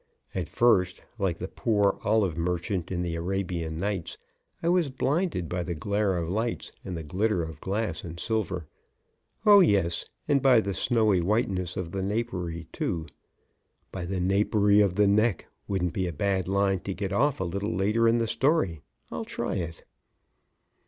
At first, like the poor olive merchant in the Arabian Nights I was blinded by the glare of lights and the glitter of glass and silver. Oh, yes, and by the snowy whiteness of the napery, too. "By the napery of the neck" wouldn't be a bad line to get off a little later in the story. I'll try it.